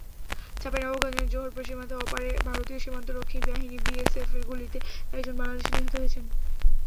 চাঁপাইনবাবগঞ্জের জোহরপুর সীমান্তের ওপারে ভারতীয় সীমান্তরক্ষী বাহিনী বিএসএফের গুলিতে একজন বাংলাদেশি নিহত হয়েছেন।